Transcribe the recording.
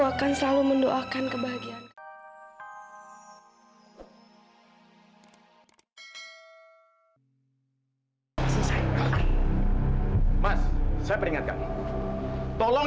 aku akan selalu mendoakan kebahagiaan